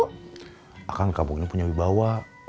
aku kan kampung ini punya bibawah